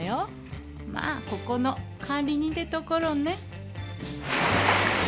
まあここの管理人ってところね。